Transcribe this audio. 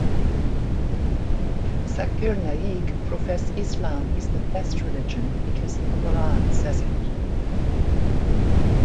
Zakir Naik profess Islam is the "best" religion because "the Quran says it.